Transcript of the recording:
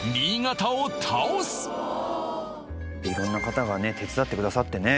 色んな方がね手伝ってくださってね